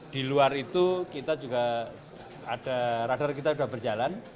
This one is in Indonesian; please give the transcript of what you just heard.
di luar itu radar kita juga sudah berjalan